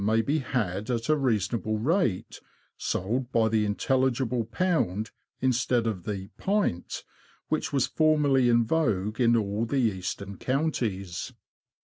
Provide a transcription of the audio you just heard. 41 may be had at a reasonable rate, sold by the intel ligible pound instead of the " pint " which was formerly in vogue in all the Eastern Counties.